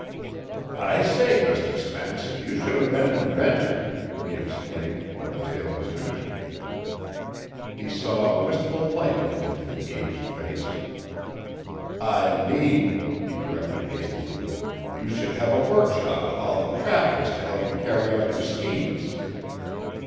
"I say, Mr. Spence, you should have been an inventor," he exclaimed, when the tale was finished. He saw a wistful light come into the aged face. "I mean," he corrected hastily, "you should have a workshop with all the trappings to help you carry out your schemes."